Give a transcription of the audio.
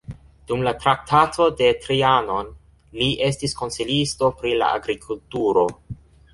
Dum la Traktato de Trianon li estis konsilisto pri la agrikulturo.